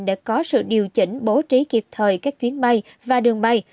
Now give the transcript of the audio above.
để có sự điều chỉnh bố trí kịp thời các chuyến bay và đường bay